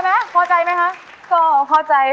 แม่ของฉันมาอย่างน้อย